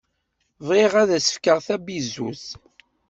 Bɣiɣ ad s-fkeɣ tabizutt.